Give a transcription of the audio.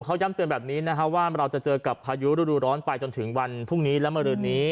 เขาย้ำเตือนแบบนี้นะครับว่าเราจะเจอกับพายุฤดูร้อนไปจนถึงวันพรุ่งนี้และมารืนนี้